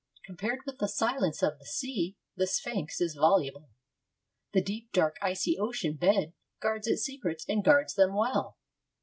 Compared with the silence of the sea, the Sphinx is voluble. The deep, dark, icy ocean bed guards its secrets, and guards them well.